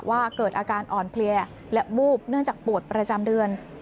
ว่าเกิดอาการอ่อนเพลียและวูบเนื่องจากปวดประจำเดือน